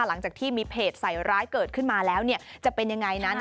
หลังจากที่มีเพจใส่ร้ายเกิดขึ้นมาแล้วจะเป็นยังไงนั้น